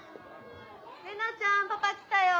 玲奈ちゃんパパ来たよ。